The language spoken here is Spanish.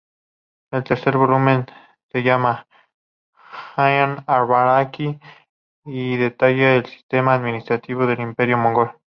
El tercer volumen se llama "Â'în-i-Akbarî", y detalla el sistema administrativo del Imperio Mogol.